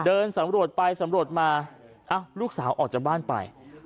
เดินสำรวจไปสำรวจมาลูกสาวออกจากบ้านไป